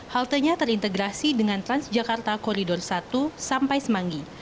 haltenya terintegrasi dengan transjakarta koridor satu sampai semanggi